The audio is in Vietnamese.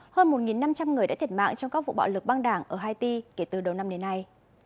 hơn một năm trăm linh người đã thiệt mạng trong các vụ bạo lực băng đảng ở haiti kể từ đầu năm đến nay